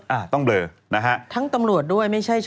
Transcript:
อ้าต้องเบอร์นะคะ